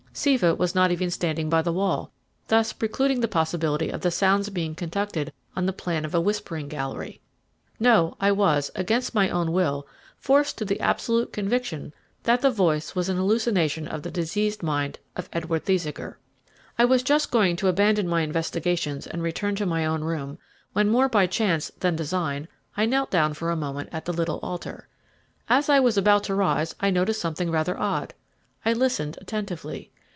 Siva was not even standing by the wall, thus precluding the possibility of the sounds being conducted on the plan of a whispering gallery. No I was, against my own will, forced to the absolute conviction that the voice was an hallucination of the diseased mind of Edward Thesiger. I was just going to abandon my investigations and return to my own room, when, more by chance than design, I knelt down for a moment at the little altar. As I was about to rise I noticed something rather odd. I listened attentively.